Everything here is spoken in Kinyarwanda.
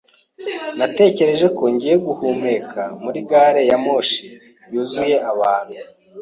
Natekereje ko ngiye guhumeka muri gari ya moshi yuzuye abantu.